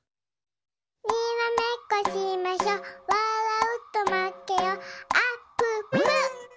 「にらめっこしましょわらうとまけよあっぷっぷ」